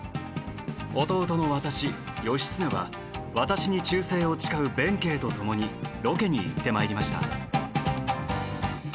弟の私義経は私に忠誠を誓う弁慶とともにロケに行って参りました。